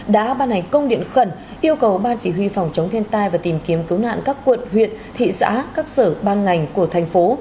đã ban hành công điện khẩn yêu cầu ban chỉ huy phòng chống thiên tai và tìm kiếm cứu nạn các quận huyện thị xã các sở ban ngành của thành phố